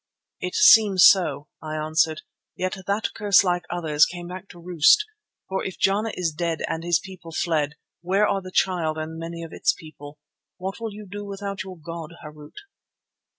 "It seems so," I answered. "Yet that curse, like others, came back to roost, for if Jana is dead and his people fled, where are the Child and many of its people? What will you do without your god, Harût?"